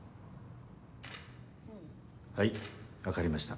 はい分かりました